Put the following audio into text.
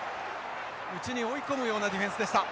内に追い込むようなディフェンスでした。